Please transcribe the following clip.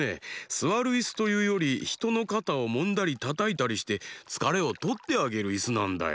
すわるイスというよりひとのかたをもんだりたたいたりしてつかれをとってあげるイスなんだよ。